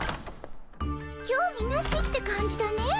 興味なしって感じだね。